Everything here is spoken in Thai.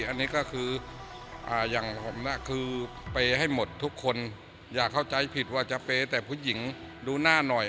อันนี้ก็คืออย่างผมน่ะคือเปย์ให้หมดทุกคนอย่าเข้าใจผิดว่าจะเป๊แต่ผู้หญิงดูหน้าหน่อย